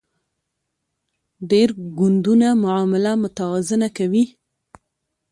ډیر ګوندونه معامله متوازنه کوي